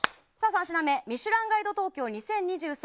「ミシュランガイド東京２０２３」